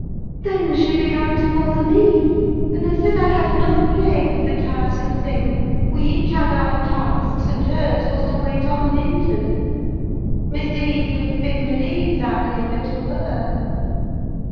"Then she began to bother me, and I said I'd had enough plague with the tiresome thing; we each had our tasks, and hers was to wait on Linton: Mr. Heathcliff bid me leave that labour to her.